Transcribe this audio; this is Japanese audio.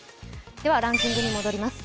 ランキングに戻ります。